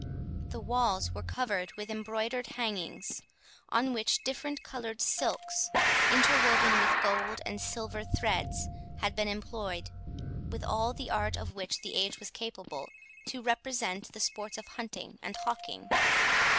The walls were covered with embroidered hangings, on which different coloured silks, interwoven with gold and silver threads, had been employed with all the art of which the age was capable, to represent the sports of hunting and hawking.